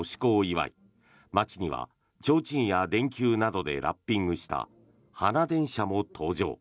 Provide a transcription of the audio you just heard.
祝い街にはちょうちんや電球などでラッピングした花電車も登場。